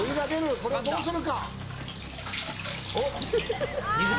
これをどうするか？